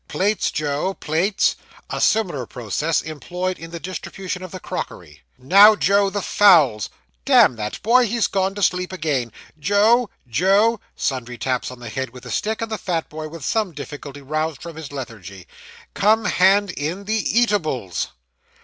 'Plates, Joe, plates.' A similar process employed in the distribution of the crockery. 'Now, Joe, the fowls. Damn that boy; he's gone to sleep again. Joe! Joe!' (Sundry taps on the head with a stick, and the fat boy, with some difficulty, roused from his lethargy.) 'Come, hand in the eatables.